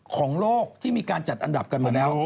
ของโลกที่มีการจัดอันดับกันมาแล้ว